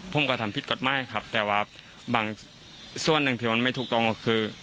ผมก็ทำผิดกฎหมายครับแต่ว่าบางส่วนหนึ่งที่มันไม่ถูกต้องก็คือ